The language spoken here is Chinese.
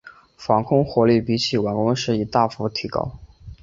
防空火力比起完工时已大幅提高。